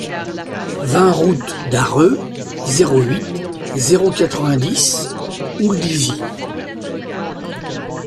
vingt route d'Arreux, zéro huit, zéro quatre-vingt-dix, Houldizy